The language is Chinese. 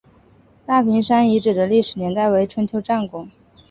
大坪山遗址的历史年代为春秋战国。